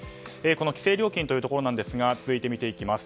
規制料金というところですが続いて見ていきます。